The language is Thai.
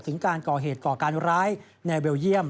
การก่อเหตุก่อการร้ายในเบลเยี่ยม